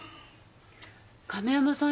亀山さん